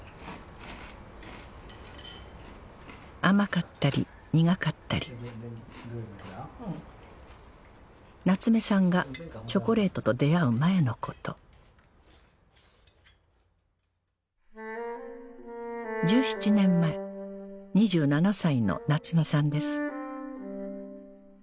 甘かったり苦かったり夏目さんがチョコレートと出会う前のこと１７年前２７歳の夏目さんです